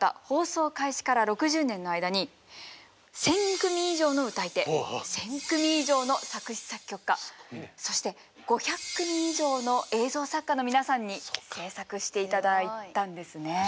放送開始から６０年の間に１０００組以上の歌い手１０００組以上の作詞・作曲家そして５００組以上の映像作家の皆さんに制作して頂いたんですね。